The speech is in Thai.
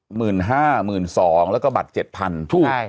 หมื่นห้าหมื่นสองแล้วก็บัตรเจ็ดพันถูกใช่